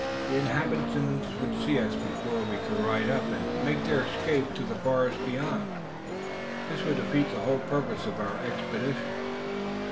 The inhabitants would see us before we could ride up, and make their escape to the forest beyond. This would defeat the whole purpose of our expedition.